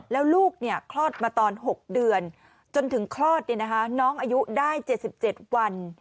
แล้วลูกคลอดมาตอน๖เดือนจนถึงคลอดน้องอายุได้๗๗วัน